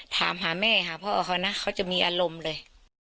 ถามหาแม่หาพ่อเขานะเขาจะมีอารมณ์เลย